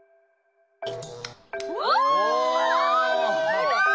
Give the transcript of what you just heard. すごい！